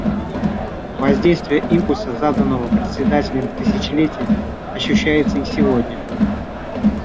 Воздействие импульса, заданного председателем тысячелетия, ощущается и сегодня.